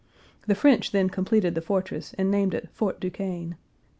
The French then completed the fortress and named it Fort Duquesne.